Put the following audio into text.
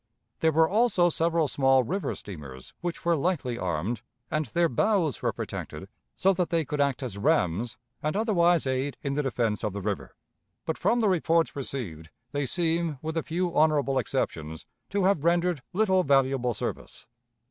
There were also several small river steamers which were lightly armed, and their bows were protected so that they could act as rams and otherwise aid in the defense of the river; but, from the reports received, they seem, with a few honorable exceptions, to have rendered little valuable service.